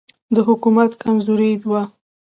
د حکومت کمزوري وه.